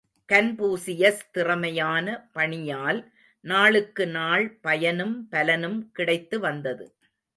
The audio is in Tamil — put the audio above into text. கன்பூசியஸ் திறமையான, பணியால் நாளுக்கு நாள் பயனும், பலனும் கிடைத்து வந்தது.